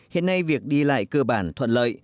hiện nay việc đi lại cơ bản thuận lợi